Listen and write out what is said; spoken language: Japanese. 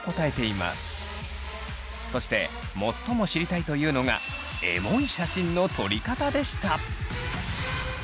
そして最も知りたいというのがエモい写真の撮り方でした。